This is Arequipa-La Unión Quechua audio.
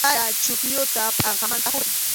Sara chuqlluta pʼanqanmanta hurquy.